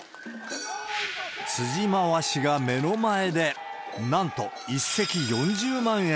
辻回しが目の前で、なんと１席４０万円。